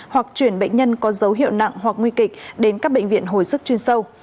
hoặc chuyển bệnh nhân có dấu hiệu nặng hoặc nguy kịch đến các bệnh viện hồi sức chuyên sâu